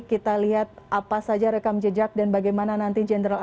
kita lihat apa saja rekam jejak dan bagaimana nanti general